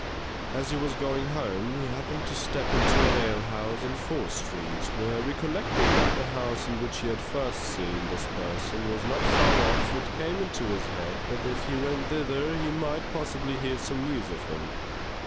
As he was going home, he happened to step into an alehouse in Fore Street, where recollecting that the house in which he had first seen this person, was not far off, it came into his head that if he went thither, he might possibly hear some news of him.